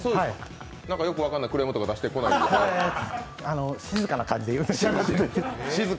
よく分かんないクレームとか出してこないですか？